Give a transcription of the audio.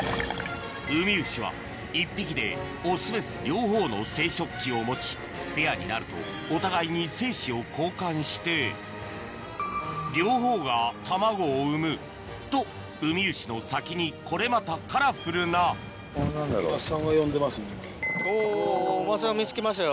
ウミウシは１匹でオスメス両方の生殖器を持ちペアになるとお互いに精子を交換して両方が卵を産むとウミウシの先にこれまたカラフルなおぉ桝さんが見つけましたよ。